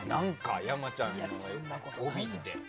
山ちゃんを帯って。